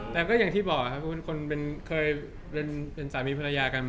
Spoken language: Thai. แต่ก็อย่างที่บอกครับเคยเป็นสามีภรรยากัน